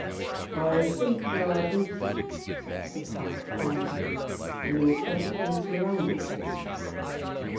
"I think there are eighty," said Mr. Parr calmly, "and they will practically surround the place."